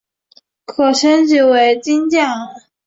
可升级成金将。